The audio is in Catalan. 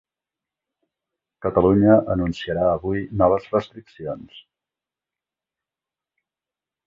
Catalunya anunciarà avui noves restriccions.